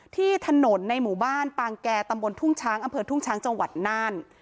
ที่ถนนในหมู่บ้านปางแก่ตำบลทุ่งช้างอำเภอทุ่งช้างจังหวัดน่าน